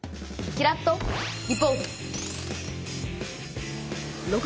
キラッとリポート！